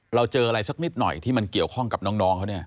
เราเจออะไรสักนิดหน่อยที่มันเกี่ยวข้องกับน้องเขาเนี่ย